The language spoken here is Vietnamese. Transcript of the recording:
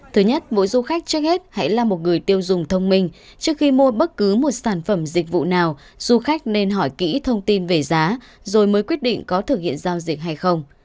thứ nhất mỗi du khách trước hết hãy là một người tiêu dùng thông minh trước khi mua bất cứ một sản phẩm dịch vụ nào du khách nên hỏi kỹ thông tin về giá rồi mới quyết định có thực hiện giao dịch hay không